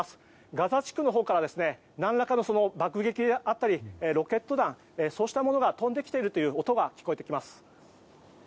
ガザ地区のほうから何らかの爆撃であったりロケット弾、そうしたものが飛んできているという音が聞こえてきます。